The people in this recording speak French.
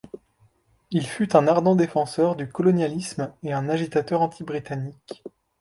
Il fut un ardent défenseur du colonialisme et un agitateur anti-britannique.